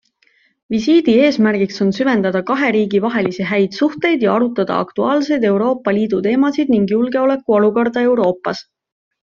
Visiidi eesmärgiks on süvendada kahe riigi vahelisi häid suhteid ja arutada aktuaalseid Euroopa Liidu teemasid ning julgeolekuolukorda Euroopas.